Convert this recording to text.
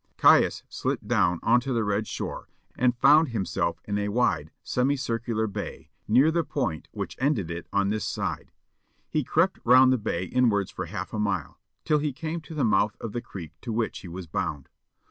Caius slipped down on to the red shore, and found himself in a wide semicircular bay, near the point which ended it on this side. He crept round the bay inwards for half a mile, till he came to the mouth of the creek to which he was bound.